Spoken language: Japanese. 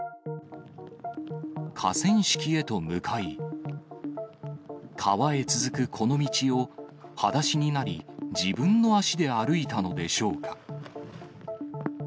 河川敷へと向かい、川へ続くこの道を、はだしになり、自分の足で歩いたのでしょうか。